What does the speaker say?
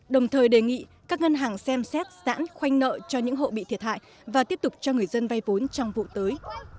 đồng thời đề nghị các ngân hàng xem xét giãn khoanh nợ cho những hộ bị thiệt hại và tiếp tục cho người dân vay vốn trong vụ tới